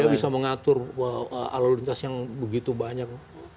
dia bisa mengatur aluritas yang begitu banyak